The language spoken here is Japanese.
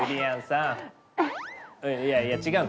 うんいやいや違う！